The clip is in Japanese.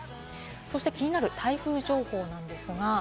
そして気になる台風情報です。